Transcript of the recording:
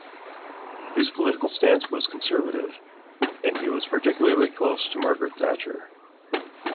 His political stance was conservative, and he was particularly close to Margaret Thatcher.